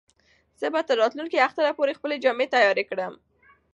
زه به تر راتلونکي اختر پورې خپلې جامې تیارې کړم.